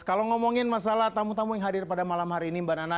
kalau ngomongin masalah tamu tamu yang hadir pada malam hari ini mbak nana